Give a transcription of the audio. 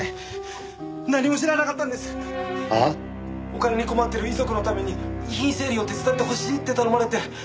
お金に困ってる遺族のために遺品整理を手伝ってほしいって頼まれて。